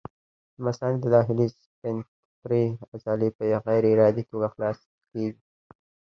د مثانې د داخلي سفنکترې عضلې په غیر ارادي توګه خلاصه کېږي.